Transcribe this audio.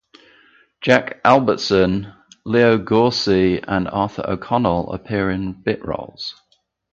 Jack Albertson, Leo Gorcey and Arthur O'Connell appear in bit roles.